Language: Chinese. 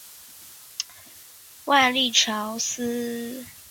万历朝司礼监孙隆曾于万历十七年斥巨资修筑白沙堤并重建望湖亭。